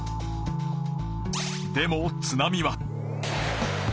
でも津波は。